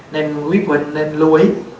nên quý vị nên lưu ý